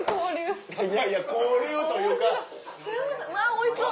おいしそう！